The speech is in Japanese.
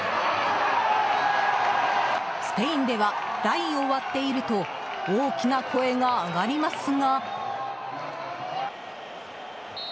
スペインではラインを割っていると大きな声が上がりますが。